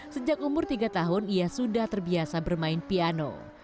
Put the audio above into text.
sejak umur tiga tahun ia sudah terbiasa bermain piano